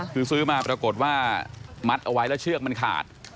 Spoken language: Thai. คือซื้อมาปรากฏว่ามัดเอาไว้แล้วเชือกมันขาด